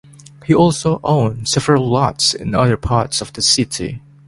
He also owned several lots in other parts of the city.